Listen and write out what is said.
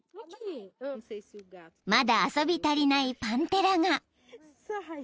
［まだ遊び足りないパンテラが］